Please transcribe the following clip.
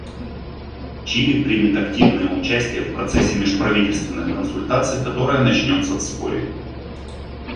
Чили примет активное участие в процессе межправительственных консультаций, который начнется вскоре.